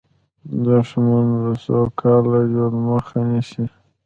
دښمن د سوکاله ژوند مخه نیسي